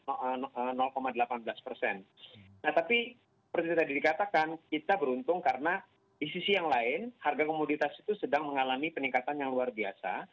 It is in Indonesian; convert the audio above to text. nah tapi seperti tadi dikatakan kita beruntung karena di sisi yang lain harga komoditas itu sedang mengalami peningkatan yang luar biasa